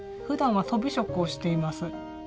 ふだんはとび職をしています。